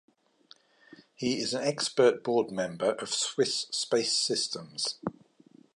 He is an expert board member of Swiss Space Systems.